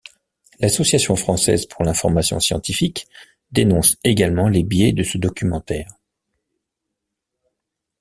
L'Association française pour l'information scientifique dénonce également les biais de ce documentaire.